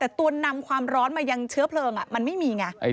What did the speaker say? แต่ตัวนำความร้อนมายังเชื้อเพลิงมันไม่มีไง